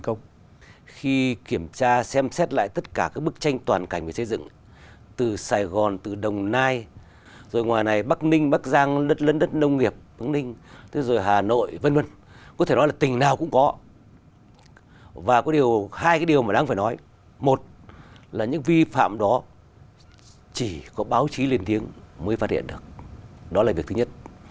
chỉ có báo chí lên tiếng mới phát hiện được đó là việc thứ nhất